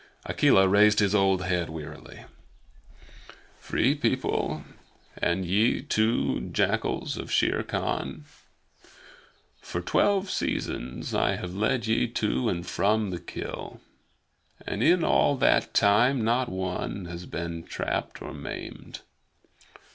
Akela raised his old head wearily: "Free People, and ye too, jackals of Shere Khan, for twelve seasons I have led ye to and from the kill, and in all that time not one has been trapped or maimed.